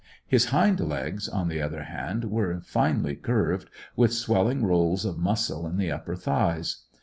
His hind legs, on the other hand, were finely curved, with swelling rolls of muscle in the upper thighs.